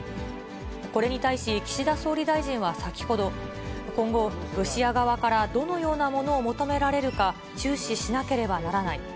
これに対し、岸田総理大臣は先ほど、今後、ロシア側から、どのようなものを求められるか、注視しなければならない。